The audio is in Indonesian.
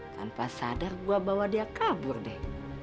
tanpa sadar gue bawa dia kabur deh